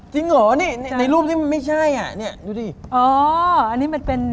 จริงหรอนี่ในรูปนี้ไม่ใช่อ่ะเนี่ยดูดิ